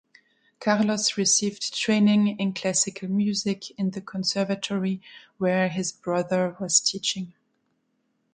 Carlos received training in classical music in the conservatory where his brother was teaching.